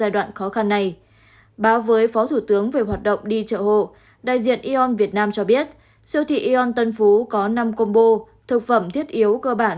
đại diện eon việt nam cho biết siêu thị eon tân phú có năm combo thực phẩm thiết yếu cơ bản